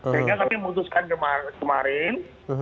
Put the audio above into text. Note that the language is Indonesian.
sehingga tapi memutuskan kemarin